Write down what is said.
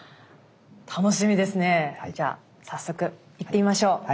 じゃあ早速行ってみましょう！